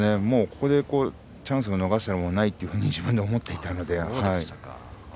ここでチャンスを逃したら次はないと自分でも思っていたので。